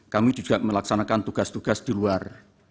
kami juga melaksanakan tugas tugas di luar